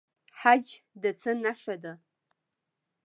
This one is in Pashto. حج د څه نښه ده؟